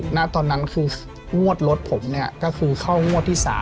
ณตอนนั้นคืองวดรถผมเนี่ยก็คือเข้างวดที่๓